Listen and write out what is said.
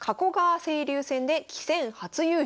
青流戦で棋戦初優勝。